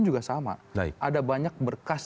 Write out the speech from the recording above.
juga sama ada banyak berkas